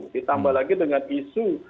ditambah lagi dengan isu